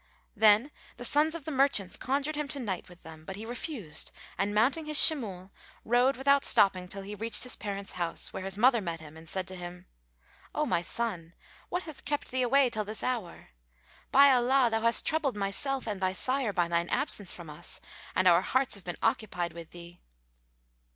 Then the sons of the merchants conjured him to night with them, but he refused and mounting his shemule, rode, without stopping, till he reached his parent's house, where his mother met him and said to him, "O my son, what hath kept thee away till this hour? By Allah, thou hast troubled myself and thy sire by thine absence from us, and our hearts have been occupied with thee."